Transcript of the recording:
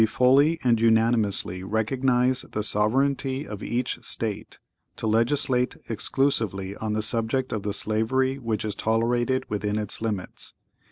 (¶ 30) We fully and unanimously recognise the sovereignty of each State, to legislate exclusively on the subject of the slavery which is tolerated within its limits.